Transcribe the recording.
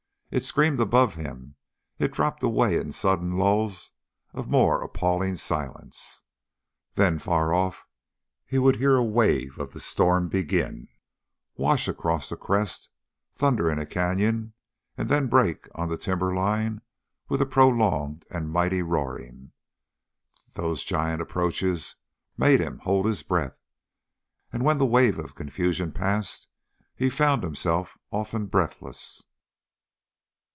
It screamed above him. It dropped away in sudden lulls of more appalling silence. Then, far off, he would hear a wave of the storm begin, wash across a crest, thunder in a canyon, and then break on the timberline with a prolonged and mighty roaring. Those giant approaches made him hold his breath, and when the wave of confusion passed, he found himself often breathless.